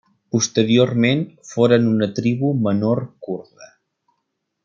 Posteriorment foren una tribu menor kurda.